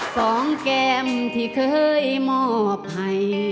สองเกมที่เคยมอบให้